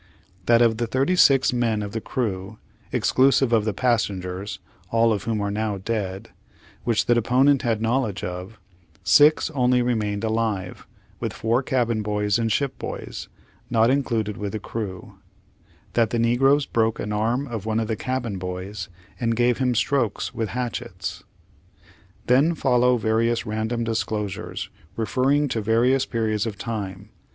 —that of the thirty six men of the crew, exclusive of the passengers (all of whom are now dead), which the deponent had knowledge of, six only remained alive, with four cabin boys and ship boys, not included with the crew; * *—that the negroes broke an arm of one of the cabin boys and gave him strokes with hatchets. [_Then follow various random disclosures referring to various periods of time.